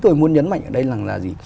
tôi muốn nhấn mạnh ở đây là gì